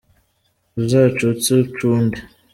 Uzacutse ucunde